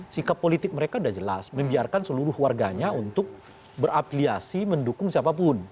sikap politik mereka sudah jelas membiarkan seluruh warganya untuk berapliasi mendukung siapapun